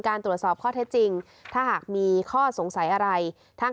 ตรวจสอบข้อเท็จจริงถ้าหากมีข้อสงสัยอะไรทั้ง